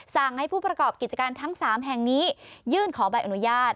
สั่งให้ผู้ประกอบกิจการทั้ง๓แห่งนี้ยื่นขอใบอนุญาต